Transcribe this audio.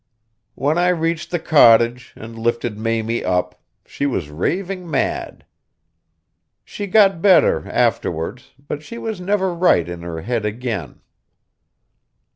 When I reached the cottage and lifted Mamie up, she was raving mad. She got better afterwards, but she was never right in her head again.